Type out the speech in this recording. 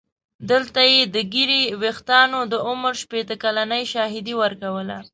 دلته یې د ږیرې ویښتانو د عمر شپېته کلنۍ شاهدي ورکوله.